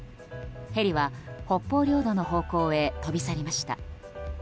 ヘリは北方領土の方向へ飛び去りました。